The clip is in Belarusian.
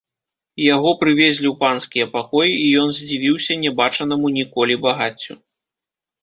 Яго прывезлі ў панскія пакоі, і ён здзівіўся не бачанаму ніколі багаццю.